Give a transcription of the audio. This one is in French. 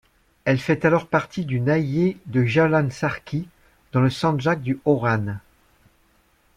Elle fait alors partie du nahié de Jawlan Sarqi, dans le sandjak du Hauran.